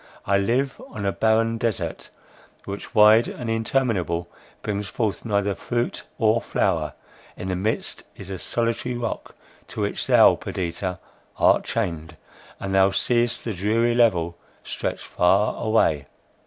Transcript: I live on a barren desart, which, wide and interminable, brings forth neither fruit or flower; in the midst is a solitary rock, to which thou, Perdita, art chained, and thou seest the dreary level stretch far away."